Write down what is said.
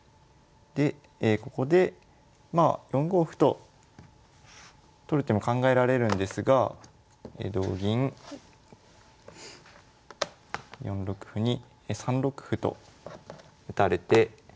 でここでまあ４五歩と取る手も考えられるんですが同銀４六歩に３六歩と打たれて。